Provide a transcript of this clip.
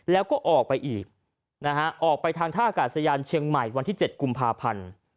แล้วก็ออกไปอีกนะฮะออกไปทางท่ากาศยานเชียงใหม่วันที่๗กุมภาพันธ์